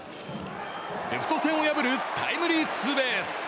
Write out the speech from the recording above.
レフト線を破るタイムリーツーベース。